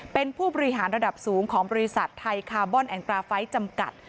เป็นผู้บริหารระดับสูงของบริษัทไทยคาร์บอนแอนตราไฟท์จำกัด